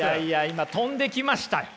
今飛んできましたよ。